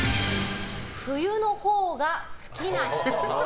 冬のほうが好きな人。